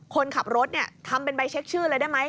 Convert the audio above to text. คนขับรถเนี่ยทำเป็นใบเช็คชื่อเลยได้ไหม